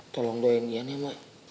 tolong doain yann ya mak